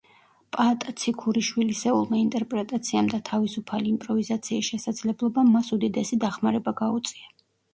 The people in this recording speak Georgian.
პაატა ციქურიშვილისეულმა ინტერპრეტაციამ და თავისუფალი იმპროვიზაციის შესაძლებლობამ მას უდიდესი დახმარება გაუწია.